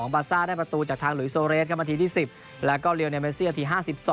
บาซ่าได้ประตูจากทางหลุยโซเรสครับนาทีที่๑๐แล้วก็เรียลในเมเซียที๕๒